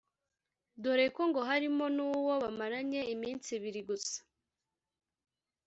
dore ko ngo harimo n’uwo bamaranye iminsi ibiri gusa